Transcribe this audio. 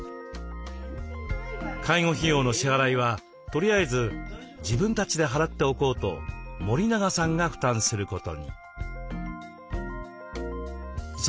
介護費用の支払いはとりあえず自分たちで払っておこうと森永さんが負担することに。